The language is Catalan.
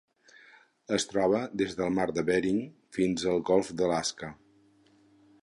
Es troba des del mar de Bering fins al Golf d'Alaska.